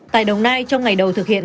tại đồng nai trong ngày đầu thực hiện